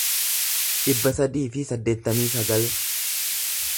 dhibba sadii fi saddeettamii sagal